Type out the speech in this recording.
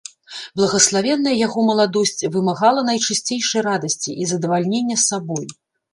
Благаславенная яго маладосць вымагала найчысцейшай радасці і задавалення сабой.